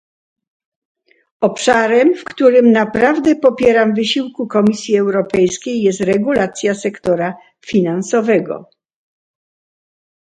Obszarem, w którym naprawdę popieram wysiłki Komisji Europejskiej, jest regulacja sektora finansowego